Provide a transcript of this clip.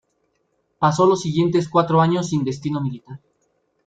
Pasó los siguientes cuatro años sin destino militar.